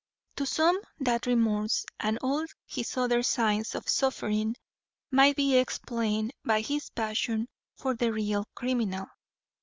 To some that remorse and all his other signs of suffering might be explained by his passion for the real criminal.